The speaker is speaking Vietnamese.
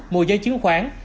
môi giới chứng khoán